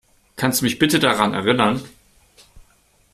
Kannst du mich bitte daran erinnern?